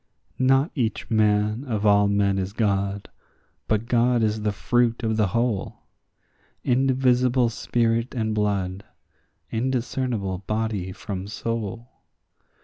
Not each man of all men is God, but God is the fruit of the whole; Indivisible spirit and blood, indiscernible body from soul.